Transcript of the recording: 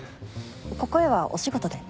ここへはお仕事で？